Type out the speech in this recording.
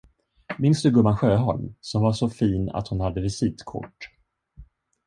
Minns du gumman Sjöholm, som var så fin att hon hade visitkort.